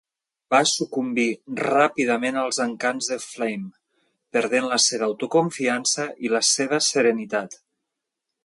Va sucumbir ràpidament als encants de Flame, perdent la seva autoconfiança i la seva serenitat.